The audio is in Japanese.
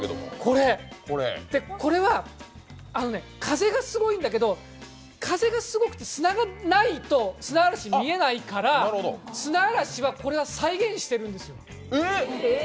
これは風がすごいんだけど、風がすごくて砂がないと砂嵐に見えないから砂嵐はこれは再現してるんですよ。